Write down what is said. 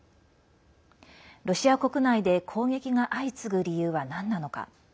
ロシア国内で攻撃が相次ぐ理由はなんなのか。